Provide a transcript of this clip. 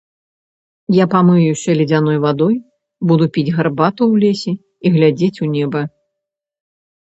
Я памыюся ледзяной вадой, буду піць гарбату ў лесе і глядзець у неба.